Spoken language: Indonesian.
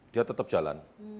dia tetap jalan